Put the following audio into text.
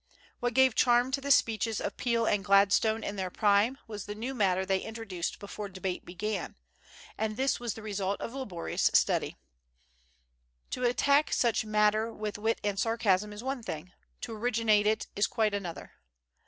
What gave charm to the speeches of Peel and Gladstone in their prime was the new matter they introduced before debate began; and this was the result of laborious study. To attack such matter with wit and sarcasm is one thing; to originate it is quite another.